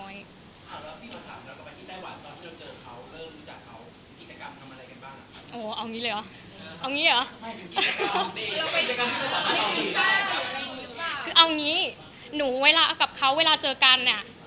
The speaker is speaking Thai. คือเอาอย่างนี้หนูเวลากับเขาเวลาเจอกันเนี่ย